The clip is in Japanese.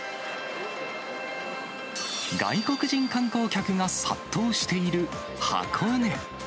外国人観光客が殺到している箱根。